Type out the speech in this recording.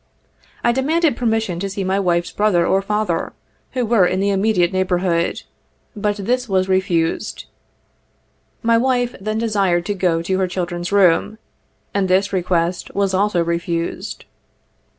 I demanded permission to send for my wife's brother or father, who were in the immediate neighborhood, but this was re fused. My wife then desired to go to her children's room, and this request was also refused.